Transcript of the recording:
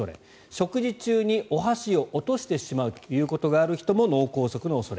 食事中にお箸を落としてしまうということがある人も脳梗塞の恐れ。